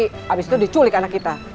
habis itu diculik anak kita